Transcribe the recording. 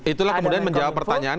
itulah kemudian menjawab pertanyaan